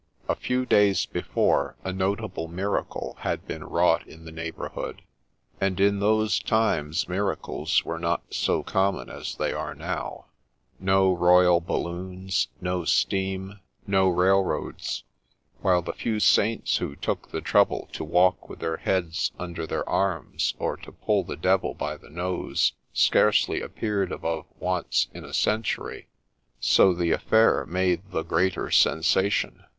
A few days before, a notable miracle had been wrought in the neighbourhood ; and in those times miracles were not so common as they are now ; no royal balloons, no steam, no railroads, — while the few Saints who took the trouble to walk A LEGEND OF SHEPPEY 39 with their heads under their arms, or to pull the Devil by the nose, scarcely appeared above once in a century ;— so the affair made the greater sensation.